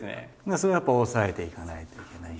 それはやっぱ抑えていかないといけないし。